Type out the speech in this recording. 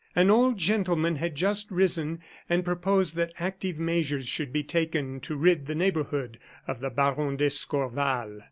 An old gentleman had just risen, and proposed that active measures should be taken to rid the neighborhood of the Baron d'Escorval.